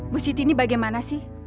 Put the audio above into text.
bu siti ini bagaimana sih